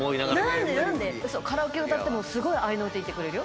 何で⁉カラオケ歌ってもすごい合いの手言ってくれるよ。